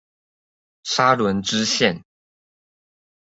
沙崙支線